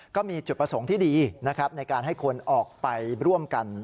ก็มีจุดประสงค์ที่ดีนะครับในการให้คนออกไปร่วมกัน